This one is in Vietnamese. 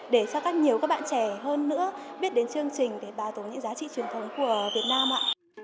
để cho các nhiều các bạn trẻ hơn nữa biết đến chương trình để bà tồn những giá trị truyền thống của việt nam ạ